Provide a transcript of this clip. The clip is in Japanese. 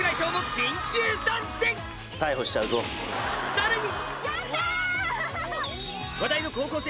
さらに！